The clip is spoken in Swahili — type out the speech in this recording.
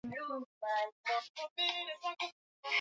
kuthibitisha matokeo hayo kwa macho yetu wenyewe